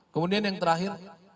kemudian yang terakhir